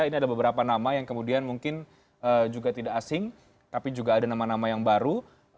ini ada beberapa nama yang kemudian mungkin juga tidak asing tapi juga ada nama nama yang baru